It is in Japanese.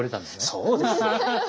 そうですよ。